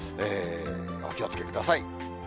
お気をつけください。